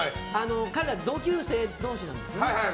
彼らは同級生同士なんですよね。